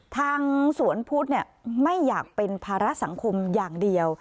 ทางสวนพุทธไม่อยากเป็นภาระสังคมอย่างเดียว